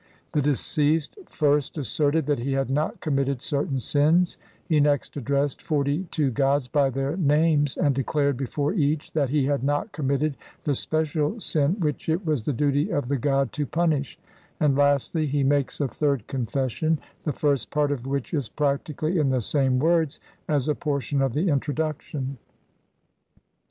The deceased first asserted that he had not committed certain sins ; he next addressed forty two gods by their names and declared before each that he had not committed the special sin which it was the duty of the god to punish ; and lastly he makes a third confession, the first part of which is practically in the same words as a portion of the Introduction.